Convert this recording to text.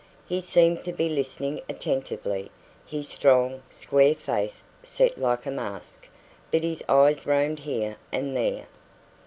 He seemed to be listening attentively, his strong, square face set like a mask; but his eyes roamed here and there.